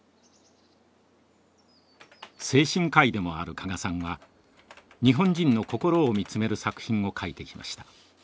精神科医でもある加賀さんは日本人のこころを見つめる作品を書いてきました。